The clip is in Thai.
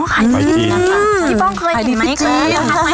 อ๋อขายที่จีนพี่ป้องเคยเห็นไหมครับขายที่จีน